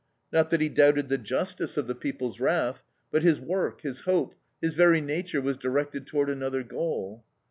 Not that he doubted the justice of the people's wrath; but his work, his hope, his very nature was directed toward another goal.